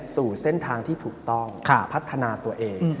สู่เส้นทางที่ถูกต้องพัฒนาตัวเอง